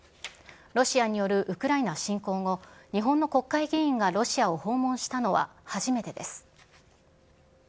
ロシアによるウクライナ侵攻後、日本の国会議員がロシアを訪問したのは初めてです。